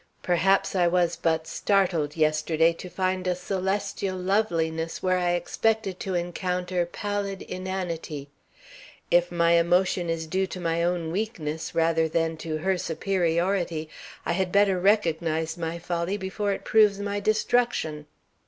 Perhaps I was but startled yesterday to find a celestial loveliness where I expected to encounter pallid inanity. If my emotion is due to my own weakness rather than to her superiority, I had better recognize my folly before it proves my destruction.